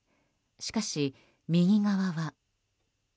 しかし、右側は。